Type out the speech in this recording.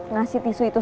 ngasih tisu itu